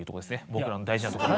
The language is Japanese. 僕らの大事なとこは。